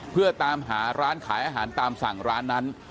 เพื่อตามหาร้านขายอาหารตามสั่งร้านนั้น